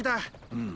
うん。